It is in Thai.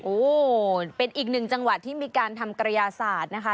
โอ้เป็นอีกหนึ่งจังหวัดที่มีการทำกระยาศาสตร์นะคะ